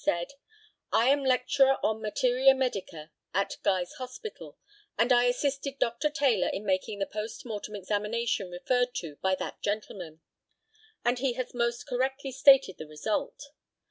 said: I am Lecturer on Materia Medica at Guy's Hospital, and I assisted Dr. Taylor in making the post mortem examination referred to by that gentleman; and he has most correctly stated the result.